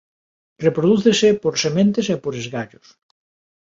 Reprodúcese por sementes e por esgallos.